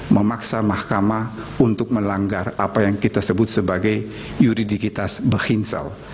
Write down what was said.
memaksa mahkamah untuk melanggar apa yang kita sebut sebagai yuridilitas bekhinsel